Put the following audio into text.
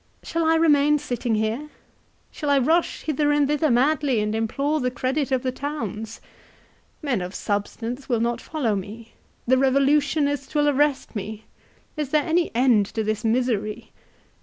Shall I remain sitting here ? Shall I rush hither and thither madly, and implore the credit of the towns ? Men of sub stance will not follow me. The revolutionists will arrest me. Is there any end to this misery